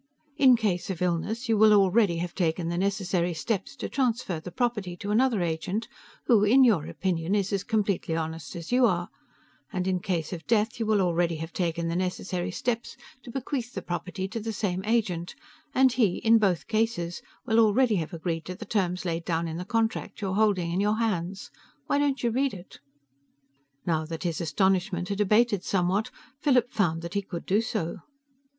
"In case of illness, you will already have taken the necessary steps to transfer the property to another agent who, in your opinion, is as completely honest as you are, and in case of death, you will already have taken the necessary steps to bequeath the property to the same agent; and he, in both cases, will already have agreed to the terms laid down in the contract you're holding in your hands. Why don't you read it?" Now that his astonishment had abated somewhat, Philip found that he could do so.